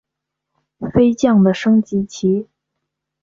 飞将的升级棋。